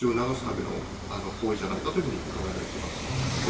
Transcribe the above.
じゃないかというふうに考えられています。